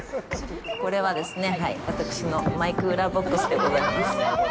これはですね、はい、私のマイクーラーボックスでございます。